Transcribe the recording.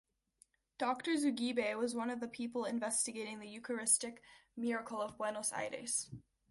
Doctor Zugibe was one of the people investigating the Eucharistic miracle of Buenos Aires.